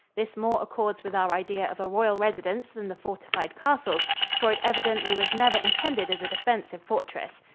This more accords with our idea of a royal residence than the fortified castles, for it evidently was never intended as a defensive fortress.